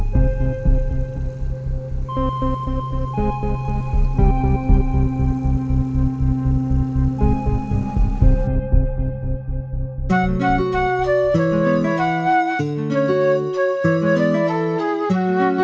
tanpa banyak gesternya